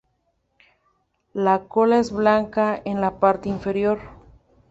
La cola es blanca en la parte inferior.